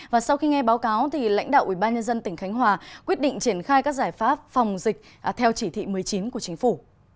và sau khi nghe báo cáo thì lãnh đạo ubnd tỉnh khánh hòa quyết định triển khai các giải pháp phòng dịch theo chỉ thị một mươi chín của chính phủ